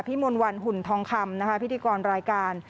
พี่มนต์วันหุ่นทองคำพิธีกรรายการ